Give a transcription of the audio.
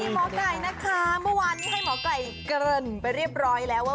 หมอไก่นะคะเมื่อวานนี้ให้หมอไก่เกริ่นไปเรียบร้อยแล้วว่า